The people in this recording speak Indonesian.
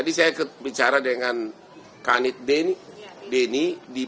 dany saya kebicara dengan kanit dany